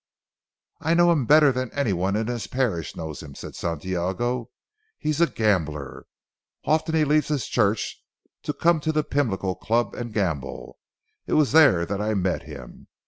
"I know him better than anyone in his parish knows him," said Santiago, "he is a gambler. Often he leaves his Church to come to the Pimlico Club and gamble. It was there that I met him.